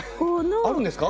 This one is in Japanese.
あるんですか？